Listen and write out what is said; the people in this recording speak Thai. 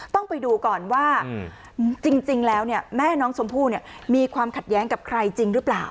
ต้องไปดูก่อนว่าจริงแล้วแม่น้องชมพู่มีความขัดแย้งกับใครจริงหรือเปล่า